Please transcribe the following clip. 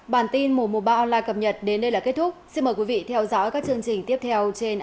bản tin mùa mùa ba online cập nhật đến đây là kết thúc xin mời quý vị theo dõi các chương trình tiếp theo trên antv